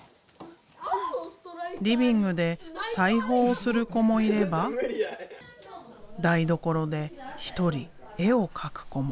リビングで裁縫をする子もいれば台所で一人絵を描く子も。